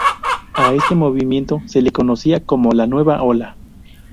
A este movimiento se le conocía como: La nueva ola.